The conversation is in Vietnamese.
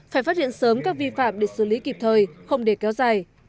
phải phát hiện sớm các vi phạm để xử lý kịp thời không để kéo dài